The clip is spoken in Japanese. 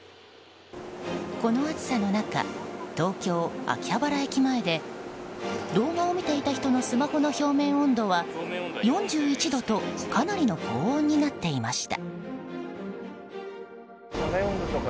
この暑さの中東京・秋葉原駅前で動画を見ていた人のスマホの表面温度は４１度とかなりの高温になっていました。